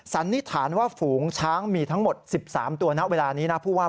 สันนิษฐานว่าฝูงช้างมีทั้งหมด๑๓ตัวณเวลานี้นะผู้ว่า